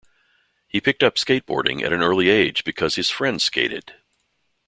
He picked up skateboarding at an early age because his friends skated.